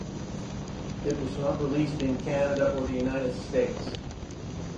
It was not released in Canada or the United States.